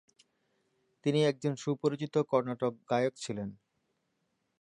তিনি একজন সুপরিচিত কর্ণাটক গায়ক ছিলেন।